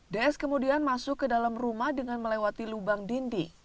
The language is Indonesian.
ds kemudian masuk ke dalam rumah dengan melewati lubang dinding